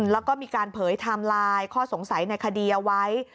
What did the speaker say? แล้วก็มีการเผยไทม์ไลน์ข้อสงสัยในคดีเอาไว้